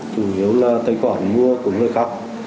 chủ yếu là tài khoản mua của người khác